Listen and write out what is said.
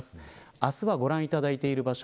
明日はご覧いただいている場所。